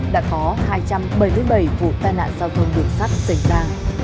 đã có hai trăm bảy mươi bảy vụ tai nạn giao thông đường sắt xảy ra